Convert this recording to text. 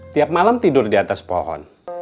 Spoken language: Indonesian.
tiap malam tidur di atas pohon